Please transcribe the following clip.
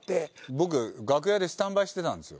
僕楽屋でスタンバイしてたんですよ。